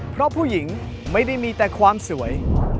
เพราะผู้หญิงไม่ได้มีแต่ความสวย